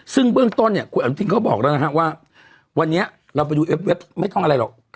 ซึ่งเบื้องต้นเนี่ยคุณอนุทินเขาบอกแล้วนะฮะว่าวันนี้เราไปดูเอ็บไม่ต้องอะไรหรอก